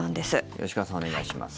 吉川さん、お願いします。